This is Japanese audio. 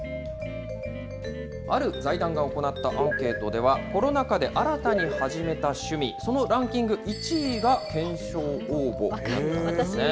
ある財団が行ったアンケートでは、コロナ禍で新たに始めた趣味、そのランキング１位が懸賞応募なんですね。